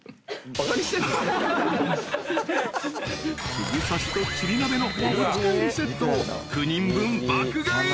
［ふぐ刺しとちり鍋のお持ち帰りセットを９人分爆買い。